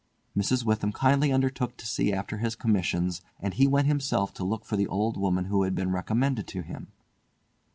Mrs. Witham kindly undertook to see after his commissions, and he went himself to look for the old woman who had been recommended to him.